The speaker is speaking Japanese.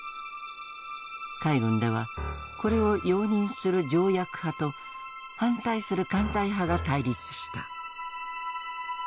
海軍ではこれを容認する条約派と反対する艦隊派が対立した。